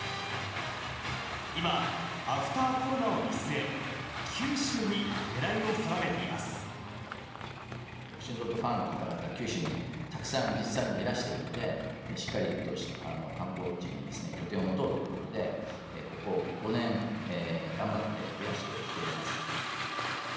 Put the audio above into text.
今、アフターコロナを見据え、星野リゾートファンの方々、九州にたくさん実際にはいらしてるので、しっかり観光地に拠点を持とうということで、ここ５年、頑張って増やしてきています。